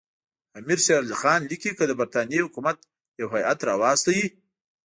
امیر شېر علي خان لیکي که د برټانیې حکومت یو هیات راواستوي.